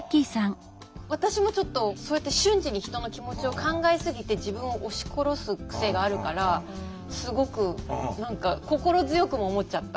私もちょっとそうやって瞬時に人の気持ちを考えすぎて自分を押し殺す癖があるからすごく何か心強くも思っちゃった。